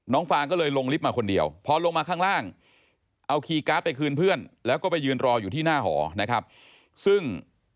ฟางก็เลยลงลิฟต์มาคนเดียวพอลงมาข้างล่างเอาคีย์การ์ดไปคืนเพื่อนแล้วก็ไปยืนรออยู่ที่หน้าหอนะครับซึ่ง